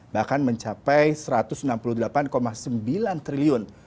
bahkan mencapai rp satu ratus enam puluh delapan sembilan triliun